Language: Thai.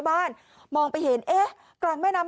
มองไปเห็นเอ๊ะกลางแม่น้ำ